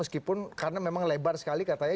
karena memang lebar sekali katanya